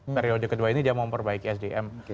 periode kedua ini dia mau memperbaiki sdm